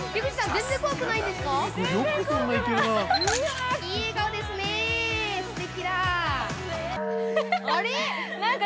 全然怖くないんですか。